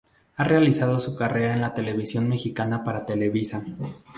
Ha realizado su carrera en la televisión mexicana para Televisa.